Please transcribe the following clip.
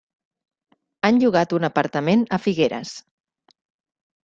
Han llogat un apartament a Figueres.